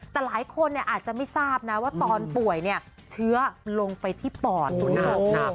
แต่หลายคนอาจจะไม่ทราบนะว่าตอนป่วยเนี่ยเชื้อลงไปที่ปอดคุณอาบน้ำ